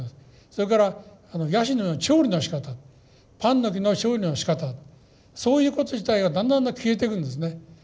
それからヤシの調理のしかたパンノキの調理のしかたそういうこと自体がだんだんだんだん消えてくんですね。